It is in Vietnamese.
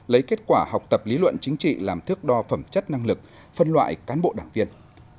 lấy kết quả học tập lý luận chính trị làm thước đo phẩm chất năng lực phân loại cán bộ đảng viên